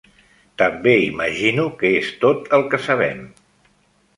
També imagino que és tot el que sabem.